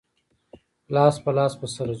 لاس په لاس به سره ځو.